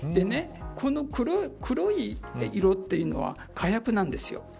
この黒い色というのは火薬なんです。